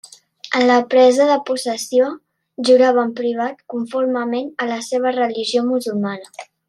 En la presa de possessió jurava en privat conformement a la seva religió musulmana.